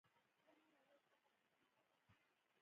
زه هره ورځ لږ تمرین کوم.